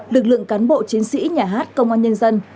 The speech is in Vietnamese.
lực lượng cán bộ chiến sĩ nhà hát công an nhân dân